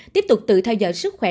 tiếp tục tự theo dõi sức khỏe